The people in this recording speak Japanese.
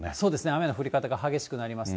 雨の降り方が激しくなります。